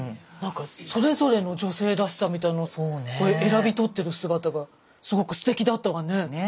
それぞれの女性らしさみたいのを選び取ってる姿がすごくすてきだったわね。